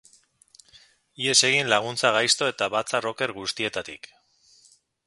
Ihes egin laguntza gaizto eta batzar oker guztietatik.